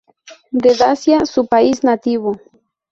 De Dacia, su país nativo.